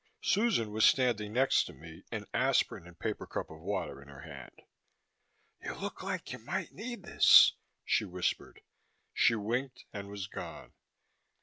Susan was standing next to me, an aspirin and a paper cup of water in her hand. "You look like you might need this," she whispered. She winked and was gone.